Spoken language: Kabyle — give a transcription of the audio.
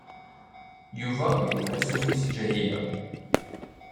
Yuba iwehha s ufus Ǧahida.